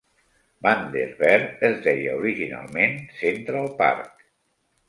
Vander Veer es deia originalment Central Park.